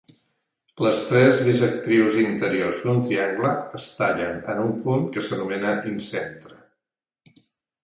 Les tres bisectrius interiors d'un triangle es tallen en un punt que s'anomena incentre.